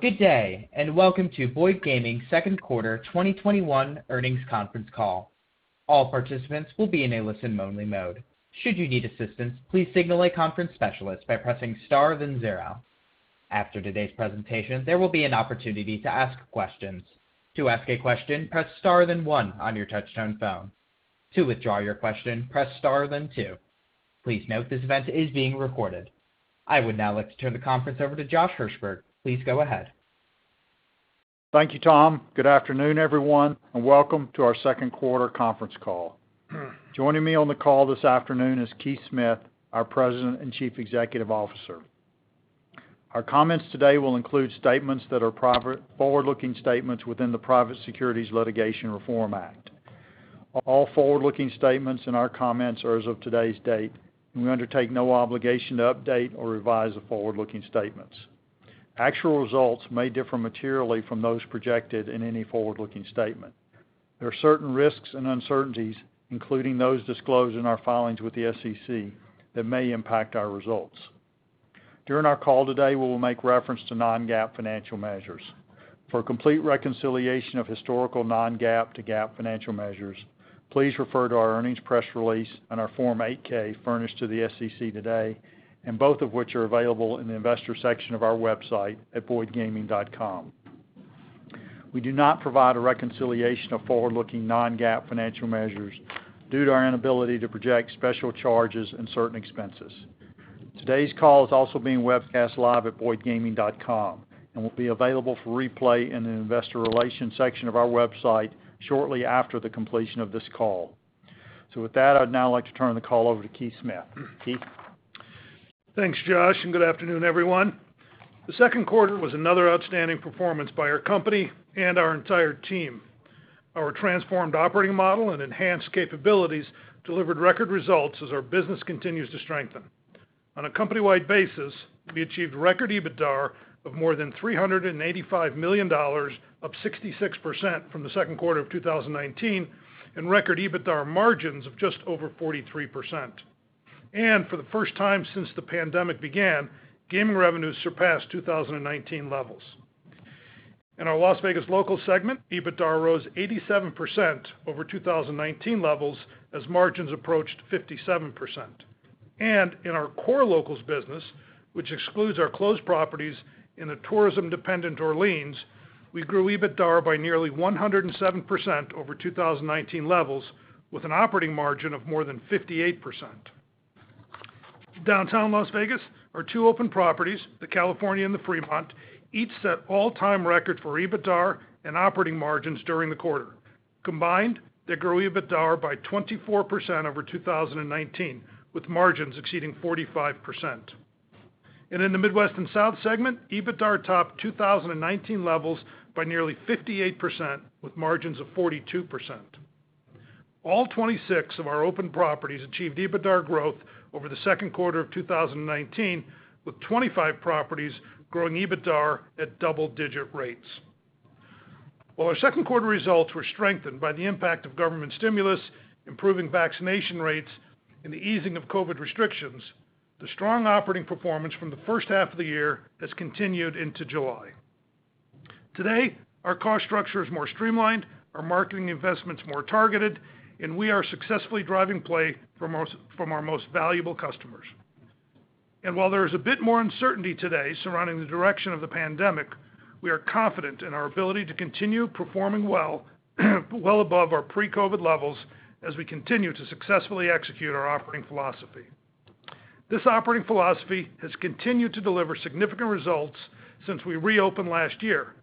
Good day, and welcome to Boyd Gaming second quarter 2021 earnings conference call. All participants will be in listen-only mode. Should you need assistance, please signal conference specialist by pressing star then zero. After today's presentation, there will be an opportunity to ask questions. To ask a question, press star then one on your touchtone phone. To withdraw your question, press star then two. Please note this event is being recorded. I would now like to turn the conference over to Josh Hirsberg. Please go ahead. Thank you, Thomas Allen. Good afternoon, everyone, and welcome to our second quarter conference call. Joining me on the call this afternoon is Keith Smith, our President and Chief Executive Officer. Our comments today will include statements that are forward-looking statements within the Private Securities Litigation Reform Act. All forward-looking statements in our comments are as of today's date. We undertake no obligation to update or revise the forward-looking statements. Actual results may differ materially from those projected in any forward-looking statement. There are certain risks and uncertainties, including those disclosed in our filings with the SEC that may impact our results. During our call today, we will make reference to non-GAAP financial measures. For a complete reconciliation of historical non-GAAP to GAAP financial measures, please refer to our earnings press release and our Form 8-K furnished to the SEC today, both of which are available in the investor section of our website at boydgaming.com. We do not provide a reconciliation of forward-looking non-GAAP financial measures due to our inability to project special charges and certain expenses. Today's call is also being webcast live at boydgaming.com and will be available for replay in the investor relations section of our website shortly after the completion of this call. With that, I'd now like to turn the call over to Keith Smith. Keith? Thanks, Josh, and good afternoon, everyone. The second quarter was another outstanding performance by our company and our entire team. Our transformed operating model and enhanced capabilities delivered record results as our business continues to strengthen. On a company-wide basis, we achieved record EBITDA of more than $385 million, up 66% from the second quarter of 2019, and record EBITDA margins of just over 43%. For the first time since the pandemic began, gaming revenues surpassed 2019 levels. In our Las Vegas Locals segment, EBITDA rose 87% over 2019 levels as margins approached 57%. In our core locals business, which excludes our closed properties in the tourism-dependent Orleans, we grew EBITDA by nearly 107% over 2019 levels, with an operating margin of more than 58%. Downtown Las Vegas are two open properties, the California and the Fremont, each set all-time record for EBITDA and operating margins during the quarter. Combined, they grew EBITDA by 24% over 2019, with margins exceeding 45%. In the Midwest & South segment, EBITDA topped 2019 levels by nearly 58%, with margins of 42%. All 26 of our open properties achieved EBITDA growth over the second quarter of 2019, with 25 properties growing EBITDA at double-digit rates. While our second quarter results were strengthened by the impact of government stimulus, improving vaccination rates, and the easing of COVID restrictions, the strong operating performance from the first half of the year has continued into July. Today, our cost structure is more streamlined, our marketing investment's more targeted, and we are successfully driving play from our most valuable customers. While there is a bit more uncertainty today surrounding the direction of the pandemic, we are confident in our ability to continue performing well above our pre-COVID levels as we continue to successfully execute our operating philosophy. This operating philosophy has continued to deliver significant results since we reopened last year,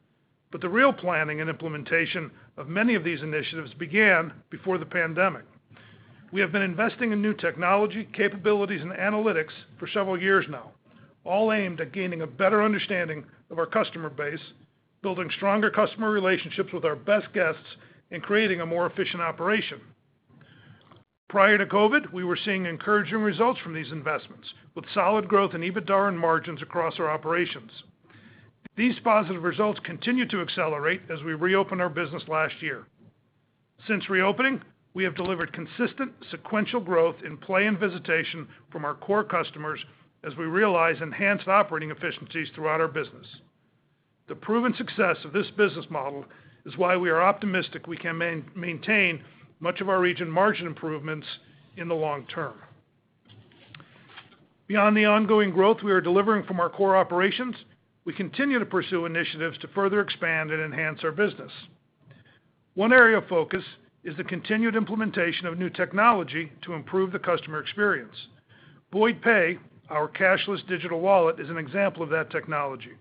but the real planning and implementation of many of these initiatives began before the pandemic. We have been investing in new technology, capabilities, and analytics for several years now, all aimed at gaining a better understanding of our customer base, building stronger customer relationships with our best guests, and creating a more efficient operation. Prior to COVID, we were seeing encouraging results from these investments, with solid growth in EBITDA and margins across our operations. These positive results continued to accelerate as we reopened our business last year. Since reopening, we have delivered consistent sequential growth in play and visitation from our core customers as we realize enhanced operating efficiencies throughout our business. The proven success of this business model is why we are optimistic we can maintain much of our region margin improvements in the long term. Beyond the ongoing growth we are delivering from our core operations, we continue to pursue initiatives to further expand and enhance our business. One area of focus is the continued implementation of new technology to improve the customer experience. Boyd Pay, our cashless digital wallet, is an example of that technology.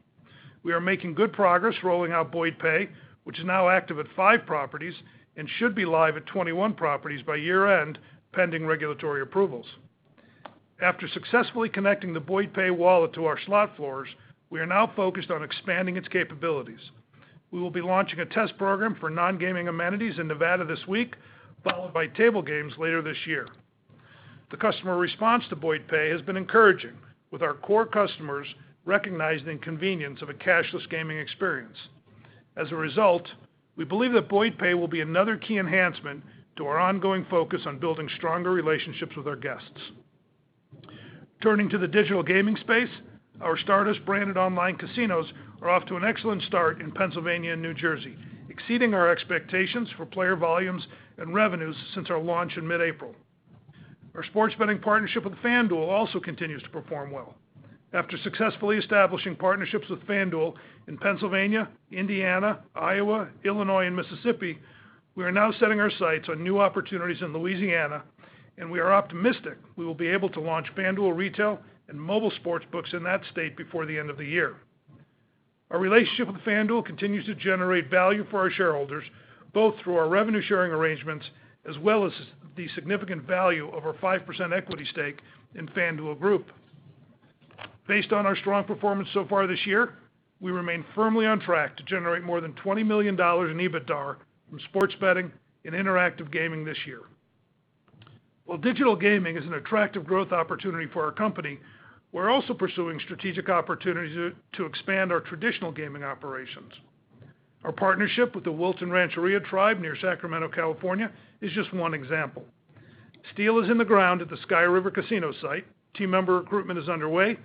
We are making good progress rolling out Boyd Pay, which is now active at five properties and should be live at 21 properties by year-end, pending regulatory approvals. After successfully connecting the Boyd Pay wallet to our slot floors, we are now focused on expanding its capabilities. We will be launching a test program for non-gaming amenities in Nevada this week, followed by table games later this year. The customer response to Boyd Pay has been encouraging, with our core customers recognizing the convenience of a cashless gaming experience. As a result, we believe that Boyd Pay will be another key enhancement to our ongoing focus on building stronger relationships with our guests. Turning to the digital gaming space, our Stardust branded online casinos are off to an excellent start in Pennsylvania and New Jersey, exceeding our expectations for player volumes and revenues since our launch in mid-April. Our sports betting partnership with FanDuel also continues to perform well. After successfully establishing partnerships with FanDuel in Pennsylvania, Indiana, Iowa, Illinois, and Mississippi, we are now setting our sights on new opportunities in Louisiana, and we are optimistic we will be able to launch FanDuel retail and mobile sports books in that state before the end of the year. Our relationship with FanDuel continues to generate value for our shareholders, both through our revenue sharing arrangements, as well as the significant value of our 5% equity stake in FanDuel Group. Based on our strong performance so far this year, we remain firmly on track to generate more than $20 million in EBITDA from sports betting and interactive gaming this year. While digital gaming is an attractive growth opportunity for our company, we're also pursuing strategic opportunities to expand our traditional gaming operations. Our partnership with the Wilton Rancheria Tribe near Sacramento, California is just one example. Steel is in the ground at the Sky River Casino site, team member recruitment is underway,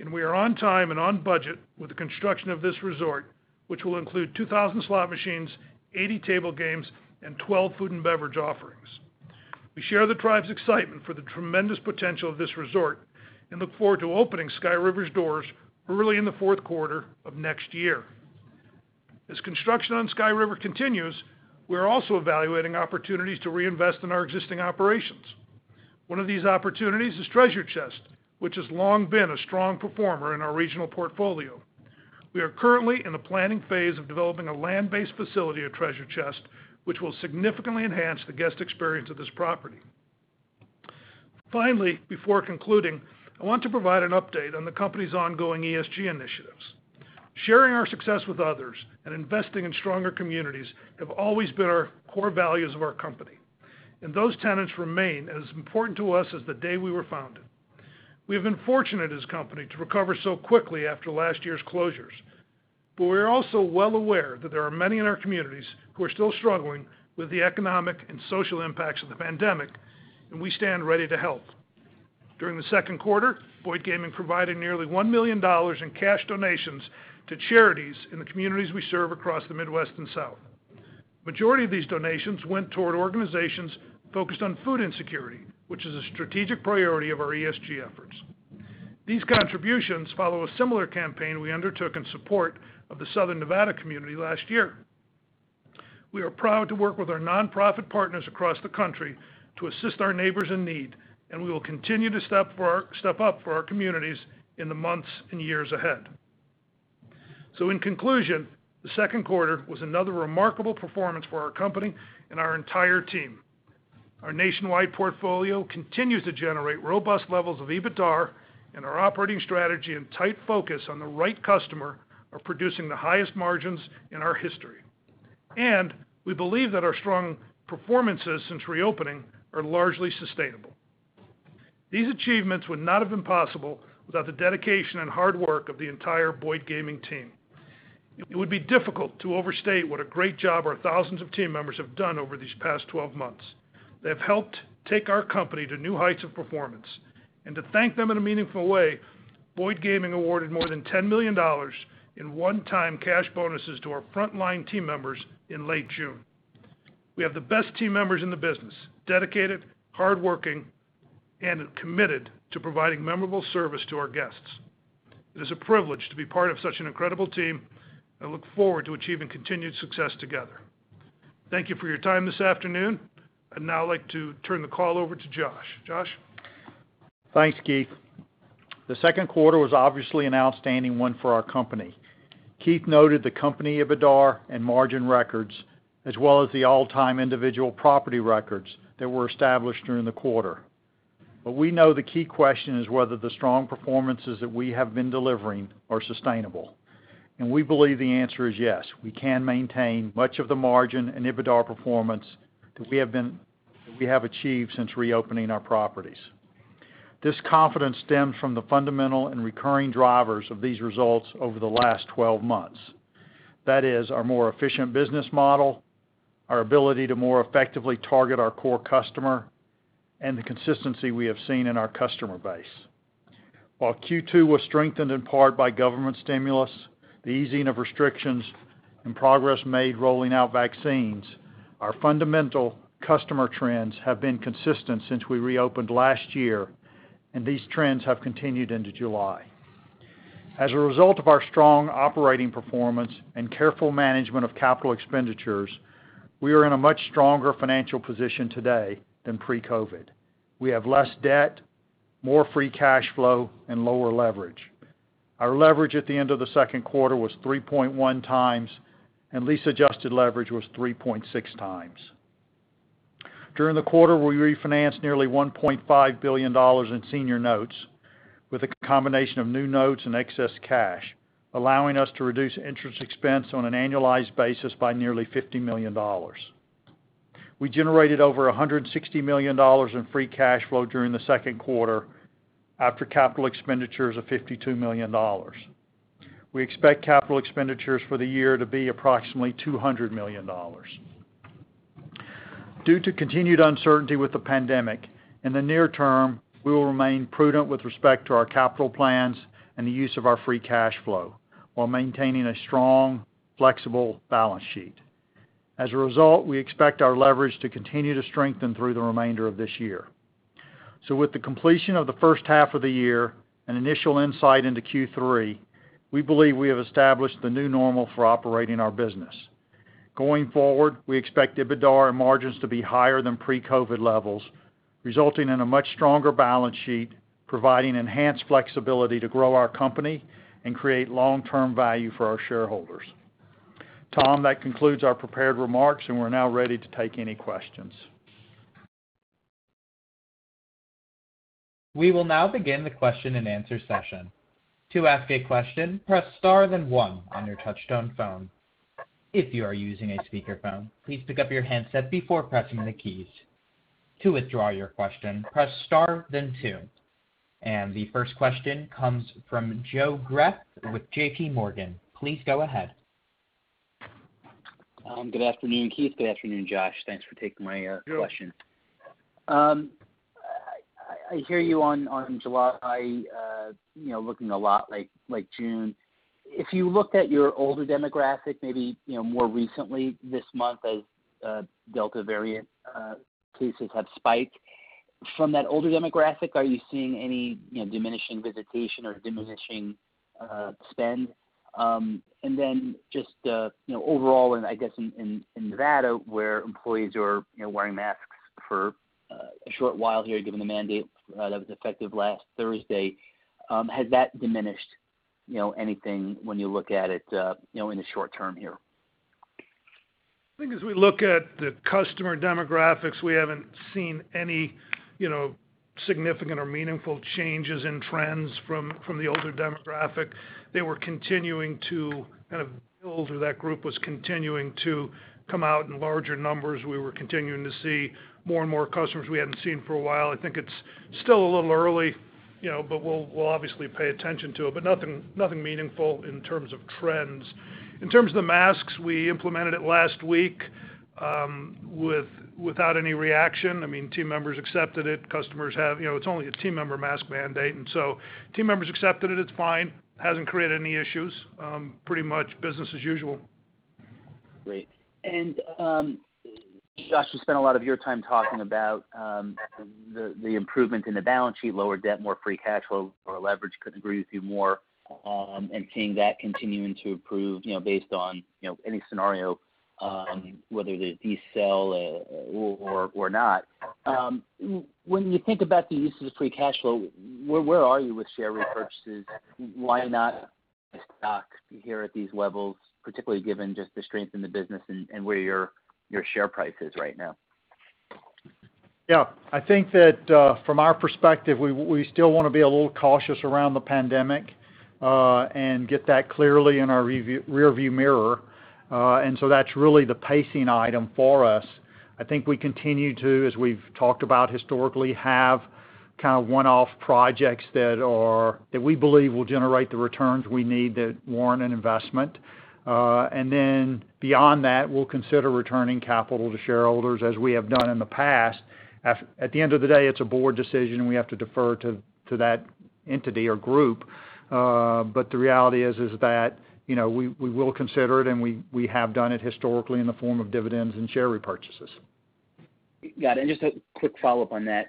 and we are on time and on budget with the construction of this resort, which will include 2,000 slot machines, 80 table games, and 12 food and beverage offerings. We share the tribe's excitement for the tremendous potential of this resort and look forward to opening Sky River's doors early in the fourth quarter of next year. As construction on Sky River continues, we are also evaluating opportunities to reinvest in our existing operations. One of these opportunities is Treasure Chest, which has long been a strong performer in our regional portfolio. We are currently in the planning phase of developing a land-based facility at Treasure Chest, which will significantly enhance the guest experience of this property. Finally, before concluding, I want to provide an update on the company's ongoing ESG initiatives. Sharing our success with others and investing in stronger communities have always been our core values of our company, and those tenets remain as important to us as the day we were founded. We have been fortunate as a company to recover so quickly after last year's closures, but we are also well aware that there are many in our communities who are still struggling with the economic and social impacts of the pandemic, and we stand ready to help. During the second quarter, Boyd Gaming provided nearly $1 million in cash donations to charities in the communities we serve across the Midwest & South. Majority of these donations went toward organizations focused on food insecurity, which is a strategic priority of our ESG efforts. These contributions follow a similar campaign we undertook in support of the Southern Nevada community last year. We are proud to work with our nonprofit partners across the country to assist our neighbors in need, and we will continue to step up for our communities in the months and years ahead. In conclusion, the second quarter was another remarkable performance for our company and our entire team. Our nationwide portfolio continues to generate robust levels of EBITDA, and our operating strategy and tight focus on the right customer are producing the highest margins in our history. We believe that our strong performances since reopening are largely sustainable. These achievements would not have been possible without the dedication and hard work of the entire Boyd Gaming team. It would be difficult to overstate what a great job our thousands of team members have done over these past 12 months. They have helped take our company to new heights of performance. To thank them in a meaningful way, Boyd Gaming awarded more than $10 million in one-time cash bonuses to our frontline team members in late June. We have the best team members in the business, dedicated, hardworking, and committed to providing memorable service to our guests. It is a privilege to be part of such an incredible team. I look forward to achieving continued success together. Thank you for your time this afternoon. I'd now like to turn the call over to Josh. Josh? Thanks, Keith. The second quarter was obviously an outstanding one for our company. Keith noted the company EBITDA and margin records, as well as the all-time individual property records that were established during the quarter. We know the key question is whether the strong performances that we have been delivering are sustainable, and we believe the answer is yes. We can maintain much of the margin and EBITDA performance that we have achieved since reopening our properties. This confidence stems from the fundamental and recurring drivers of these results over the last 12 months. That is our more efficient business model, our ability to more effectively target our core customer, and the consistency we have seen in our customer base. While Q2 was strengthened in part by government stimulus, the easing of restrictions and progress made rolling out vaccines, our fundamental customer trends have been consistent since we reopened last year, and these trends have continued into July. As a result of our strong operating performance and careful management of capital expenditures, we are in a much stronger financial position today than pre-COVID. We have less debt, more free cash flow, and lower leverage. Our leverage at the end of the second quarter was 3.1x, and lease-adjusted leverage was 3.6x. During the quarter, we refinanced nearly $1.5 billion in senior notes with a combination of new notes and excess cash, allowing us to reduce interest expense on an annualized basis by nearly $50 million. We generated over $160 million in free cash flow during the second quarter, after capital expenditures of $52 million. We expect capital expenditures for the year to be approximately $200 million. Due to continued uncertainty with the pandemic, in the near term, we will remain prudent with respect to our capital plans and the use of our free cash flow, while maintaining a strong, flexible balance sheet. As a result, we expect our leverage to continue to strengthen through the remainder of this year. With the completion of the first half of the year, an initial insight into Q3, we believe we have established the new normal for operating our business. Going forward, we expect EBITDA margins to be higher than pre-COVID levels, resulting in a much stronger balance sheet, providing enhanced flexibility to grow our company and create long-term value for our shareholders. Tom, that concludes our prepared remarks, and we're now ready to take any questions. We will now begin the question and answer session. To ask a question, press star and one on your touchtone phone. If you are using a speakerphone, please pick up your handset before pressing the keys. To withdraw your question, press star and then two. The first question comes from Joseph Greff with JPMorgan. Please go ahead. Good afternoon, Keith. Good afternoon, Josh. Thanks for taking my question. Sure. I hear you on July looking a lot like June. If you looked at your older demographic, maybe more recently this month as Delta variant cases have spiked, from that older demographic, are you seeing any diminishing visitation or diminishing spend? Just overall in, I guess, in Nevada, where employees are wearing masks for a short while here, given the mandate that was effective last Thursday, has that diminished anything when you look at it in the short term here? I think as we look at the customer demographics, we haven't seen any significant or meaningful changes in trends from the older demographic. They were continuing to kind of build, or that group was continuing to come out in larger numbers. We were continuing to see more and more customers we hadn't seen for a while. I think it's still a little early, but we'll obviously pay attention to it. Nothing meaningful in terms of trends. In terms of the masks, we implemented it last week without any reaction. Team members accepted it. It's only a team member mask mandate, so team members accepted it. It's fine. Hasn't created any issues. Pretty much business as usual. Great. Josh, you spent a lot of your time talking about the improvement in the balance sheet, lower debt, more free cash flow or leverage. Couldn't agree with you more, and seeing that continuing to improve, based on any scenario, whether the Delta variant or not. When you think about the use of the free cash flow, where are you with share repurchases? Why not buy stock here at these levels, particularly given just the strength in the business and where your share price is right now? Yeah. I think that, from our perspective, we still want to be a little cautious around the pandemic, and get that clearly in our rear view mirror. That's really the pacing item for us. I think we continue to, as we've talked about historically, have kind of one-off projects that we believe will generate the returns we need that warrant an investment. Beyond that, we'll consider returning capital to shareholders as we have done in the past. At the end of the day, it's a board decision and we have to defer to that entity or group. The reality is that we will consider it, and we have done it historically in the form of dividends and share repurchases. Got it. Just a quick follow-up on that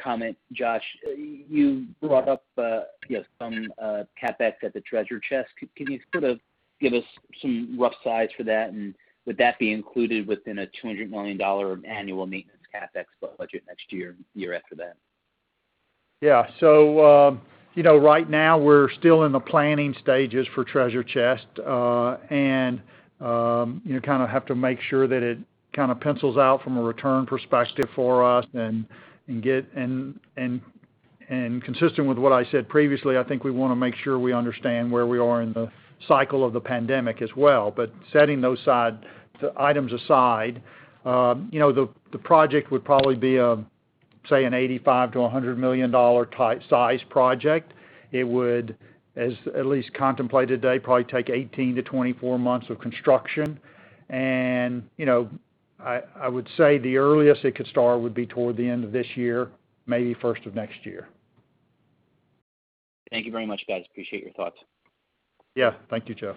comment. Josh, you brought up some CapEx at the Treasure Chest. Can you sort of give us some rough size for that? Would that be included within a $200 million annual maintenance CapEx budget next year and year after that? Yeah. Right now we're still in the planning stages for Treasure Chest. Kind of have to make sure that it kind of pencils out from a return perspective for us and consistent with what I said previously, I think we want to make sure we understand where we are in the cycle of the pandemic as well. Setting those items aside, the project would probably be, say, an $85 million-$100 million size project. It would, as at least contemplated today, probably take 18 to 24 months of construction. I would say the earliest it could start would be toward the end of this year, maybe first of next year. Thank you very much, guys. Appreciate your thoughts. Yeah. Thank you, Joe.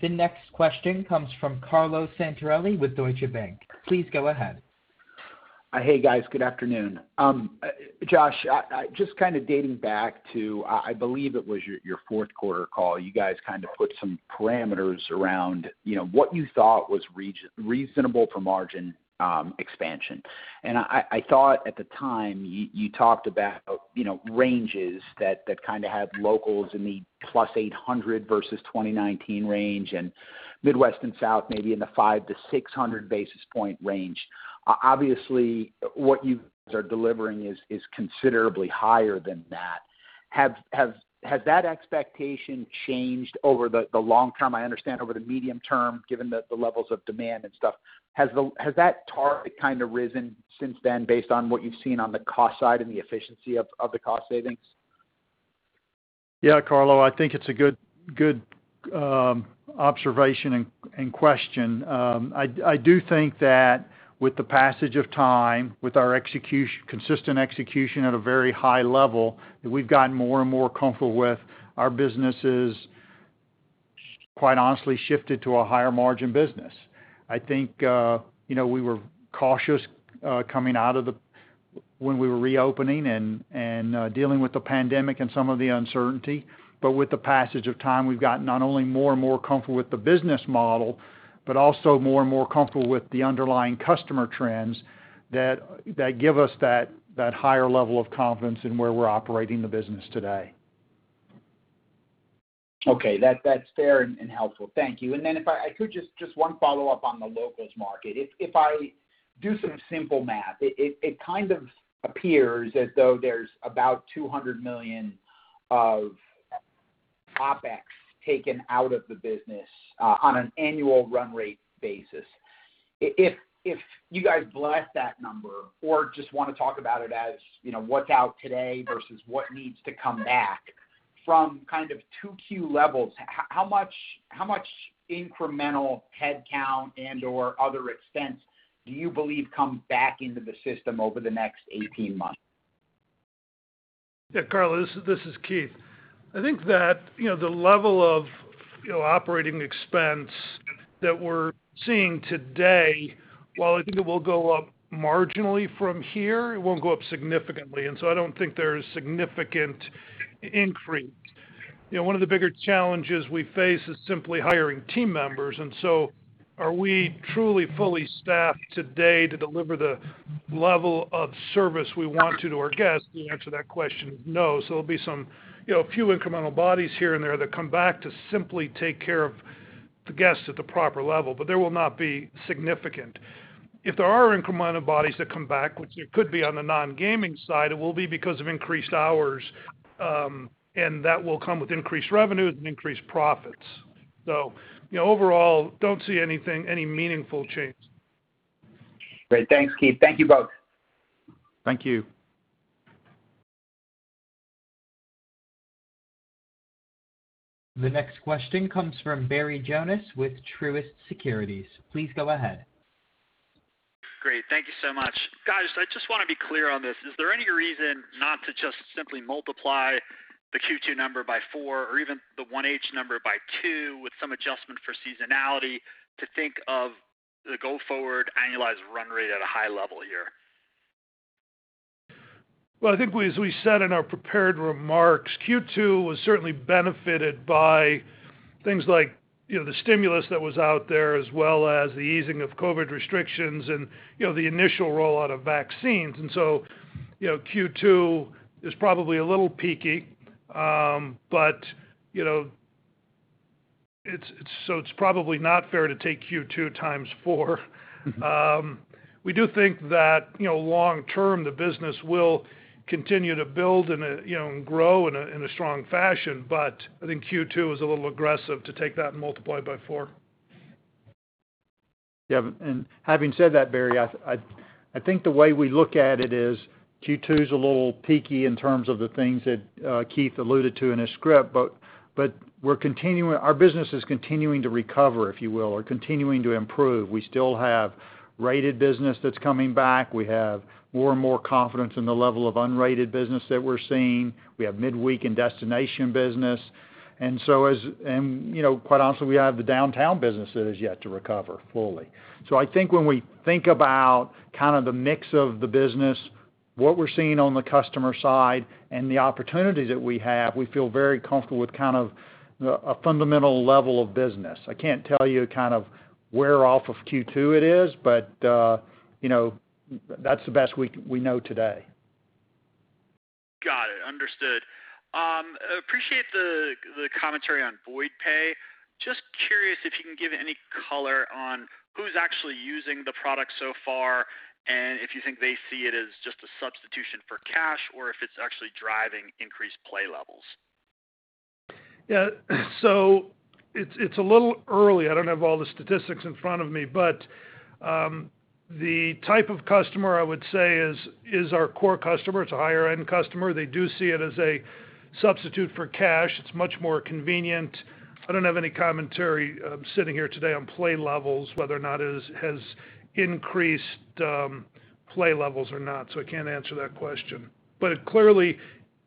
The next question comes from Carlo Santarelli with Deutsche Bank. Please go ahead. Hey, guys. Good afternoon. Josh, just kind of dating back to, I believe it was your fourth quarter call. You guys kind of put some parameters around what you thought was reasonable for margin expansion. I thought at the time you talked about ranges that kind of had Las Vegas Locals in the plus 800 versus 2019 range and Midwest & South, maybe in the 500 to 600 basis point range. Obviously, what you guys are delivering is considerably higher than that. Has that expectation changed over the long term? I understand over the medium term, given the levels of demand and stuff. Has that target kind of risen since then, based on what you've seen on the cost side and the efficiency of the cost savings? Yeah, Carlo, I think it's a good observation and question. I do think that with the passage of time, with our consistent execution at a very high level, that we've gotten more and more comfortable with our businesses, quite honestly, shifted to a higher margin business. I think, we were cautious when we were reopening and dealing with the pandemic and some of the uncertainty. With the passage of time, we've gotten not only more and more comfortable with the business model, but also more and more comfortable with the underlying customer trends that give us that higher level of confidence in where we're operating the business today. That's fair and helpful. Thank you. If I could, just one follow-up on the Las Vegas Locals market. If I do some simple math, it kind of appears as though there's about $200 million of OpEx taken out of the business on an annual run rate basis. If you guys bless that number or just want to talk about it as what's out today versus what needs to come back from kind of Q2 levels, how much incremental headcount and/or other expense do you believe come back into the system over the next 18 months? Yeah, Carlo, this is Keith. I think that the level of operating expense that we're seeing today, while I think it will go up marginally from here, it won't go up significantly. I don't think there's a significant increase. One of the bigger challenges we face is simply hiring team members. Are we truly fully staffed today to deliver the level of service we want to our guests? The answer to that question is no. There'll be a few incremental bodies here and there that come back to simply take care of the guests at the proper level, but there will not be significant. If there are incremental bodies that come back, which there could be on the non-gaming side, it will be because of increased hours, and that will come with increased revenues and increased profits. Overall, don't see any meaningful change. Great. Thanks, Keith. Thank you both. Thank you. The next question comes from Barry Jonas with Truist Securities. Please go ahead. Great. Thank you so much. Guys, I just want to be clear on this. Is there any reason not to just simply multiply the Q2 number by four or even the 1H number by two with some adjustment for seasonality to think of the go forward annualized run rate at a high level here? I think as we said in our prepared remarks, Q2 was certainly benefited by things like, the stimulus that was out there, as well as the easing of COVID restrictions and the initial rollout of vaccines. Q2 is probably a little peaky. It's probably not fair to take Q2 times four. We do think that long term, the business will continue to build and grow in a strong fashion. I think Q2 is a little aggressive to take that and multiply it by four. Yeah. Having said that, Barry, I think the way we look at it is Q2's a little peaky in terms of the things that Keith alluded to in his script, but our business is continuing to recover, if you will, or continuing to improve. We still have rated business that's coming back. We have more and more confidence in the level of unrated business that we're seeing. We have midweek and destination business. Quite honestly, we have the downtown business that has yet to recover fully. I think when we think about kind of the mix of the business, what we're seeing on the customer side and the opportunities that we have, we feel very comfortable with kind of a fundamental level of business. I can't tell you kind of where off of Q2 it is, but that's the best we know today. Got it. Understood. Appreciate the commentary on Boyd Pay. Just curious if you can give any color on who's actually using the product so far, and if you think they see it as just a substitution for cash or if it's actually driving increased play levels. Yeah. It's a little early. I don't have all the statistics in front of me, but the type of customer I would say is our core customer. It's a higher end customer. They do see it as a substitute for cash. It's much more convenient. I don't have any commentary sitting here today on play levels, whether or not it has increased play levels or not. I can't answer that question. Clearly,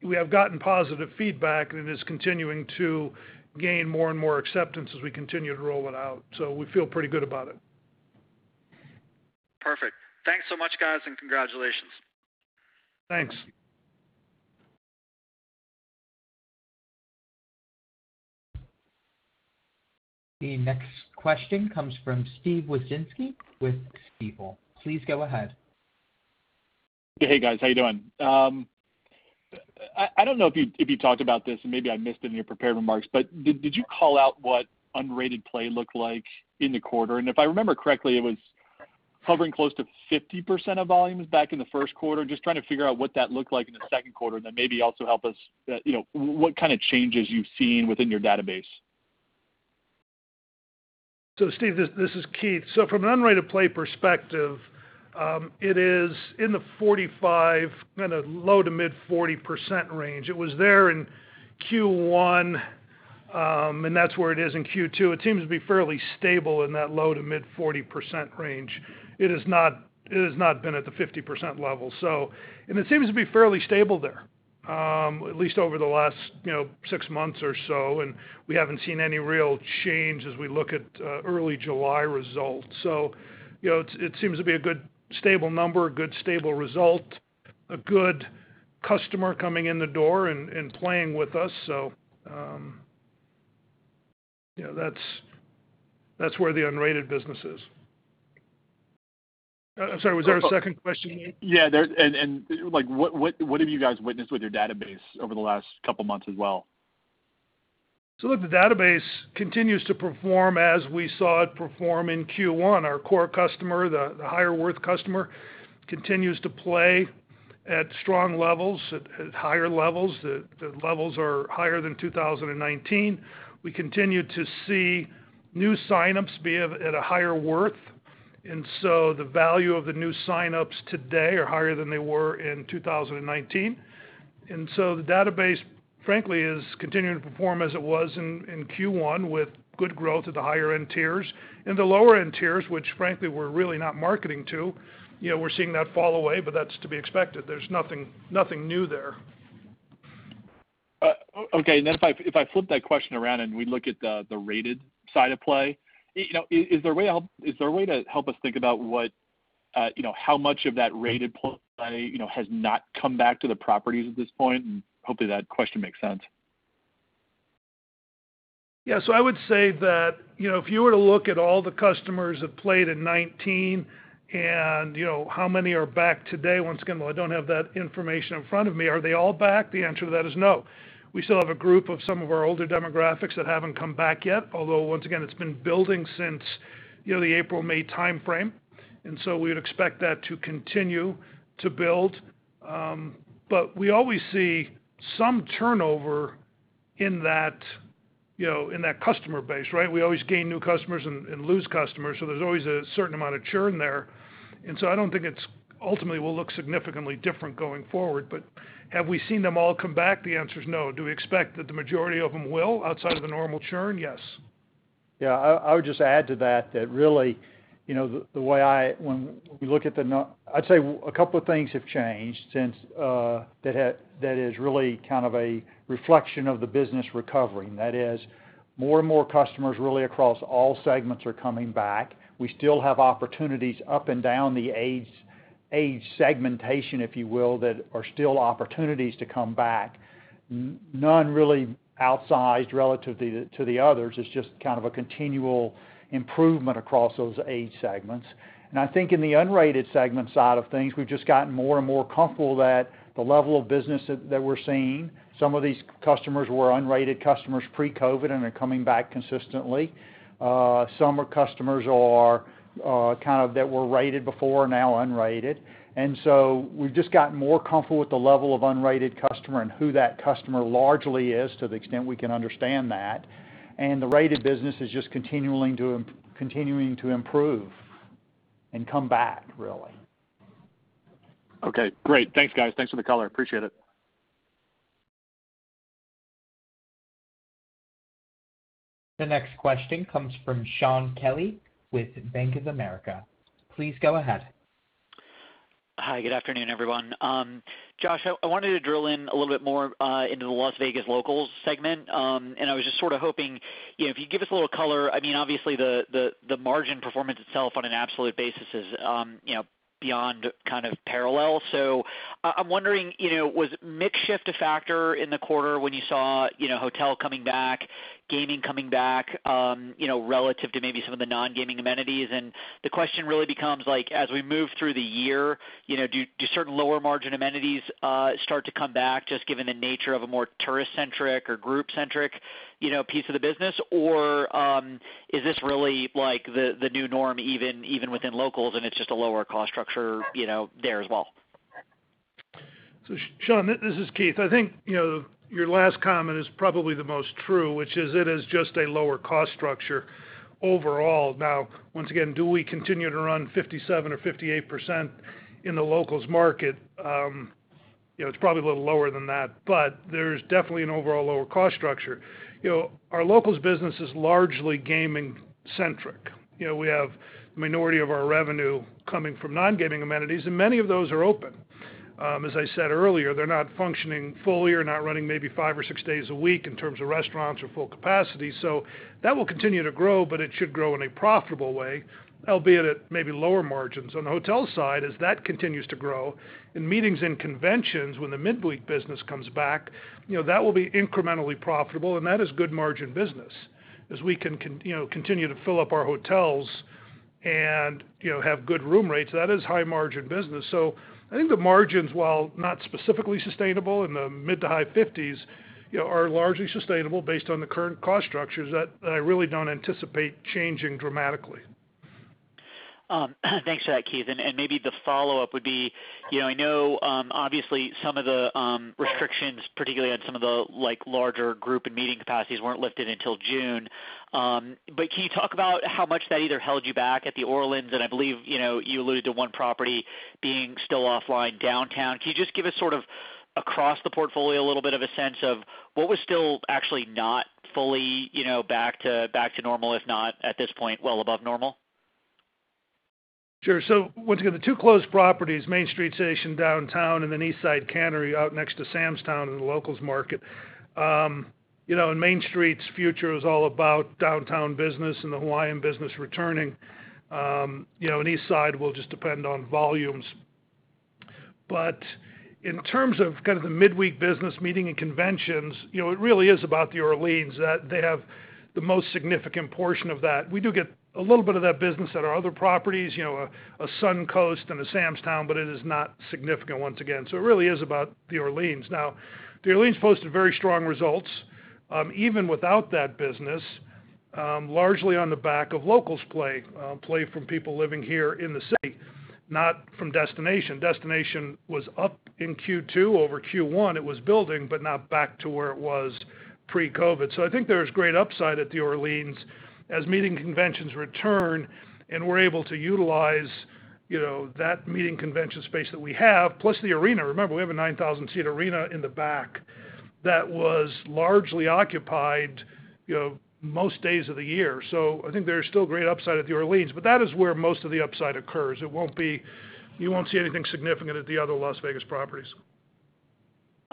we have gotten positive feedback, and it is continuing to gain more and more acceptance as we continue to roll it out. We feel pretty good about it. Perfect. Thanks so much, guys, and congratulations. Thanks. The next question comes from Steven Wieczynski with Stifel. Please go ahead. Hey, guys. How you doing? I don't know if you talked about this, and maybe I missed it in your prepared remarks, but did you call out what unrated play looked like in the quarter? If I remember correctly, it was hovering close to 50% of volumes back in the first quarter. I'm just trying to figure out what that looked like in the second quarter, and then maybe also help us, what kind of changes you've seen within your database. Steve, this is Keith. From an unrated play perspective, it is in the 45%, low to mid 40% range. It was there in Q1, and that's where it is in Q2. It seems to be fairly stable in that low to mid 40% range. It has not been at the 50% level. It seems to be fairly stable there, at least over the last six months or so, and we haven't seen any real change as we look at early July results. It seems to be a good stable number, a good stable result, a good customer coming in the door and playing with us. That's where the unrated business is. I'm sorry, was there a second question? Yeah. What have you guys witnessed with your database over the last couple of months as well? Look, the database continues to perform as we saw it perform in Q1. Our core customer, the higher worth customer, continues to play at strong levels, at higher levels. The levels are higher than 2019. We continue to see new signups be at a higher worth, the value of the new signups today are higher than they were in 2019. The database, frankly, is continuing to perform as it was in Q1 with good growth at the higher end tiers. In the lower end tiers, which frankly we're really not marketing to, we're seeing that fall away, but that's to be expected. There's nothing new there. Okay. If I flip that question around and we look at the rated side of play, is there a way to help us think about how much of that rated play has not come back to the properties at this point? Hopefully that question makes sense. Yeah. I would say that, if you were to look at all the customers that played in 2019, and how many are back today, once again, I don't have that information in front of me. Are they all back? The answer to that is no. We still have a group of some of our older demographics that haven't come back yet, although once again, it's been building since the April-May timeframe. We would expect that to continue to build. We always see some turnover in that customer base, right? We always gain new customers and lose customers, so there's always a certain amount of churn there. I don't think it ultimately will look significantly different going forward. Have we seen them all come back? The answer is no. Do we expect that the majority of them will, outside of the normal churn? Yes. Yeah, I would just add to that, I'd say a couple of things have changed that is really kind of a reflection of the business recovering. That is, more and more customers really across all segments are coming back. We still have opportunities up and down the age segmentation, if you will, that are still opportunities to come back. None really outsized relative to the others. It's just kind of a continual improvement across those age segments. I think in the unrated segment side of things, we've just gotten more and more comfortable that the level of business that we're seeing, some of these customers were unrated customers pre-COVID and are coming back consistently. Some customers are kind of that were rated before are now unrated. We've just gotten more comfortable with the level of unrated customer and who that customer largely is to the extent we can understand that. The rated business is just continuing to improve and come back really. Okay, great. Thanks, guys. Thanks for the color. Appreciate it. The next question comes from Shaun Kelley with Bank of America. Please go ahead. Hi. Good afternoon, everyone. Josh, I wanted to drill in a little bit more into the Las Vegas Locals segment. I was just sort of hoping, if you could give us a little color, obviously the margin performance itself on an absolute basis is beyond kind of parallel. I'm wondering, was mix shift a factor in the quarter when you saw hotel coming back, gaming coming back, relative to maybe some of the non-gaming amenities? The question really becomes like, as we move through the year, do certain lower margin amenities start to come back, just given the nature of a more tourist-centric or group-centric piece of the business? Is this really the new norm even within locals and it's just a lower cost structure there as well? Shaun, this is Keith. I think your last comment is probably the most true, which is it is just a lower cost structure overall. Once again, do we continue to run 57% or 58% in the Locals market? It's probably a little lower than that, but there's definitely an overall lower cost structure. Our Locals business is largely gaming centric. We have a minority of our revenue coming from non-gaming amenities, and many of those are open. As I said earlier, they're not functioning fully or not running maybe five or six days a week in terms of restaurants or full capacity. That will continue to grow, but it should grow in a profitable way, albeit at maybe lower margins. On the hotel side, as that continues to grow, and meetings and conventions, when the mid-week business comes back, that will be incrementally profitable, and that is good margin business. As we continue to fill up our hotels and have good room rates, that is high margin business. I think the margins, while not specifically sustainable in the mid to high 50%, are largely sustainable based on the current cost structures that I really don't anticipate changing dramatically. Thanks for that, Keith. Maybe the follow-up would be, I know obviously some of the restrictions, particularly on some of the larger group and meeting capacities, weren't lifted until June. Can you talk about how much that either held you back at The Orleans and I believe you alluded to one property being still offline downtown. Can you just give us sort of across the portfolio, a little bit of a sense of what was still actually not fully back to normal, if not at this point, well above normal? Sure. Once again, the two closed properties, Main Street Station downtown, and Eastside Cannery out next to Sam's Town and the locals market. Main Street's future is all about downtown business and the Hawaiian business returning. Eastside will just depend on volumes. In terms of kind of the midweek business, meeting, and conventions, it really is about The Orleans. They have the most significant portion of that. We do get a little bit of that business at our other properties, a Suncoast and a Sam's Town, but it is not significant once again. It really is about The Orleans. Now, The Orleans posted very strong results, even without that business, largely on the back of locals play. Play from people living here in the city, not from destination. Destination was up in Q2. Over Q1, it was building, but not back to where it was pre-COVID. I think there's great upside at The Orleans as meeting conventions return, and we're able to utilize that meeting/convention space that we have, plus the arena. Remember, we have a 9,000-seat arena in the back that was largely occupied most days of the year. I think there's still great upside at The Orleans, but that is where most of the upside occurs. You won't see anything significant at the other Las Vegas properties.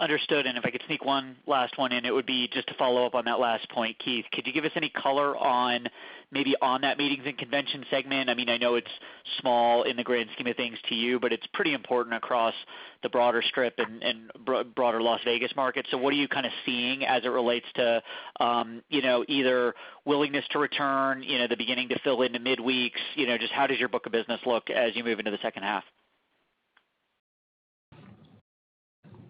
Understood. If I could sneak one last one in, it would be just to follow up on that last point. Keith, could you give us any color on maybe on that meetings and convention segment? I know it's small in the grand scheme of things to you, but it's pretty important across the broader Strip and broader Las Vegas market. What are you kind of seeing as it relates to either willingness to return, the beginning to fill into midweeks? Just how does your book of business look as you move into the second half?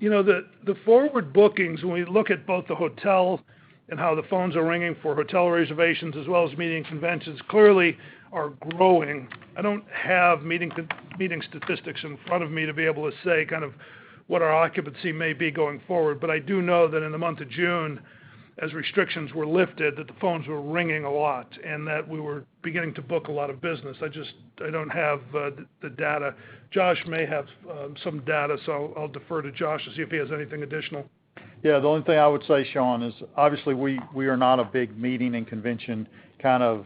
The forward bookings, when we look at both the hotel and how the phones are ringing for hotel reservations as well as meetings, conventions clearly are growing. I don't have meeting statistics in front of me to be able to say kind of what our occupancy may be going forward, but I do know that in the month of June, as restrictions were lifted, that the phones were ringing a lot, and that we were beginning to book a lot of business. I don't have the data. Josh may have some data, so I'll defer to Josh to see if he has anything additional. Yeah. The only thing I would say, Shaun, is obviously we are not a big meeting and convention kind of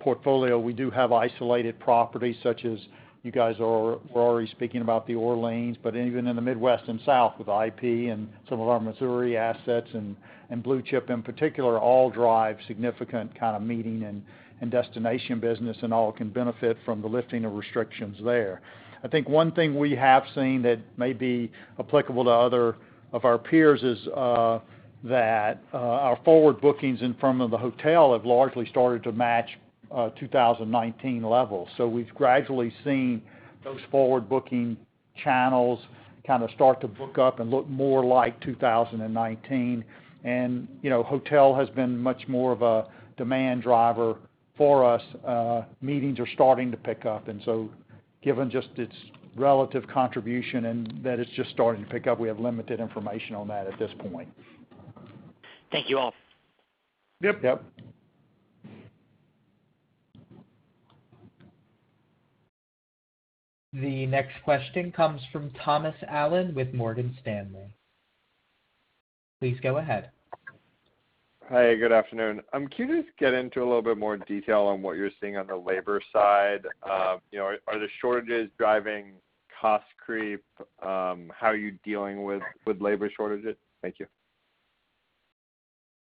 portfolio. We do have isolated properties such as you guys were already speaking about The Orleans, but even in the Midwest & South with IP and some of our Missouri assets and Blue Chip in particular, all drive significant kind of meeting and destination business and all can benefit from the lifting of restrictions there. I think one thing we have seen that may be applicable to other of our peers is that our forward bookings in front of the hotel have largely started to match 2019 levels. We've gradually seen those forward-booking channels kind of start to book up and look more like 2019. Hotel has been much more of a demand driver for us. Meetings are starting to pick up, and so given just its relative contribution and that it's just starting to pick up, we have limited information on that at this point. Thank you all. Yep. Yep. The next question comes from Thomas Allen with Morgan Stanley. Please go ahead. Hi, good afternoon. Can you just get into a little bit more detail on what you're seeing on the labor side? Are the shortages driving cost creep? How are you dealing with labor shortages? Thank you.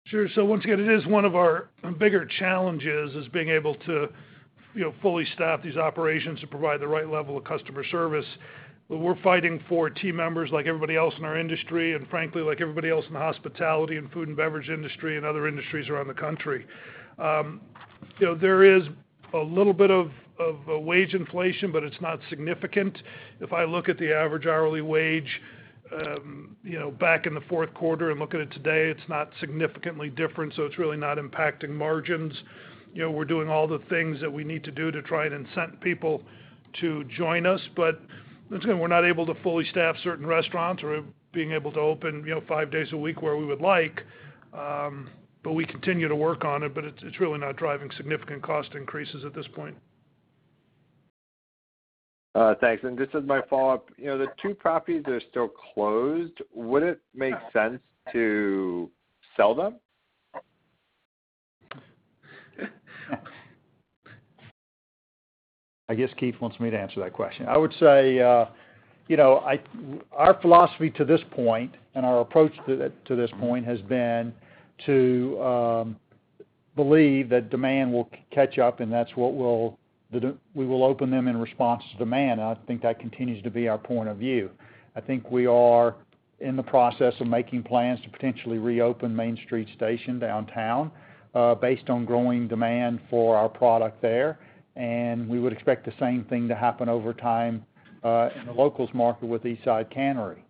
Sure. Once again, it is one of our bigger challenges is being able to fully staff these operations to provide the right level of customer service. We're fighting for team members like everybody else in our industry, and frankly like everybody else in the hospitality and food and beverage industry and other industries around the country. There is a little bit of wage inflation, but it's not significant. If I look at the average hourly wage back in the fourth quarter and look at it today, it's not significantly different, so it's really not impacting margins. We're doing all the things that we need to do to try and incent people to join us. Once again, we're not able to fully staff certain restaurants or being able to open 5 days a week where we would like. We continue to work on it, but it's really not driving significant cost increases at this point. Thanks. Just as my follow-up, the two properties that are still closed, would it make sense to sell them? I guess Keith wants me to answer that question. I would say, our philosophy to this point and our approach to this point has been to believe that demand will catch up, and we will open them in response to demand, and I think that continues to be our point of view. I think we are in the process of making plans to potentially reopen Main Street Station downtown, based on growing demand for our product there, and we would expect the same thing to happen over time in the locals market with Eastside Cannery.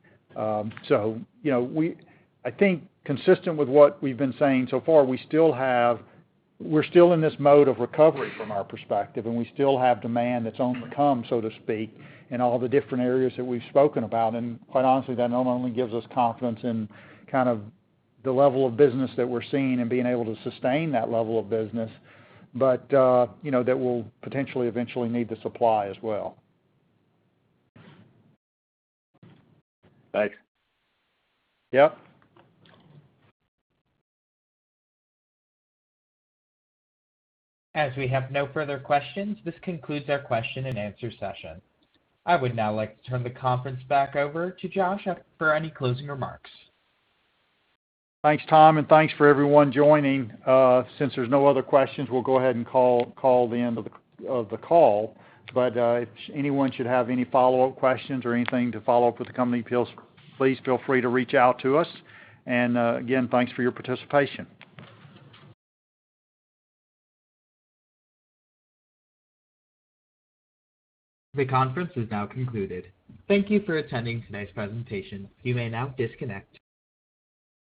I think consistent with what we've been saying so far, we're still in this mode of recovery from our perspective, and we still have demand that's on the come, so to speak, in all the different areas that we've spoken about. Quite honestly, that not only gives us confidence in the level of business that we're seeing and being able to sustain that level of business, but that we'll potentially eventually need the supply as well. Thanks. Yep. As we have no further questions, this concludes our question and answer session. I would now like to turn the conference back over to Josh for any closing remarks. Thanks, Tom. Thanks for everyone joining. Since there's no other questions, we'll go ahead and call the end of the call. If anyone should have any follow-up questions or anything to follow up with the company, please feel free to reach out to us. Again, thanks for your participation. The conference is now concluded. Thank you for attending today's presentation. You may now disconnect.